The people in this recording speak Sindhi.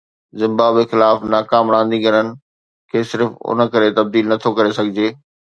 زمبابوي خلاف ناڪام رانديگرن کي صرف ان ڪري تبديل نٿو ڪري سگهجي